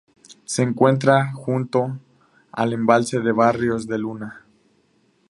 Se encuentra junto al embalse de Barrios de Luna.